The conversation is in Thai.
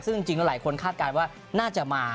ซึ่งจริงแล้วหลายคนคาดการณ์ว่าน่าจะมา